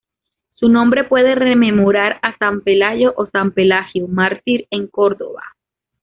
Su nombre puede rememorar a San Pelayo o San Pelagio, mártir en Córdoba.